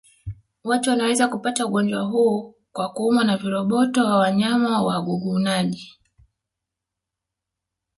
Watu wanaweza kupata ugonjwa huu kwa kuumwa na viroboto wa wanyama wagugunaji